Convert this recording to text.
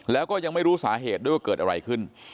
แล้วก็ยังไม่รู้สาเหตุด้วยว่าเกิดอะไรขึ้น